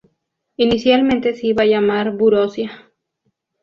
Inicialmente se iba a llamar "Borussia".